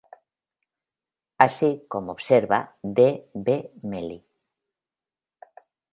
Así, como observa D. B. Meli,